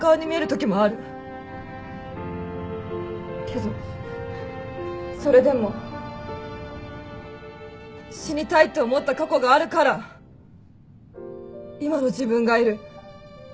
けどそれでも死にたいって思った過去があるから今の自分がいる。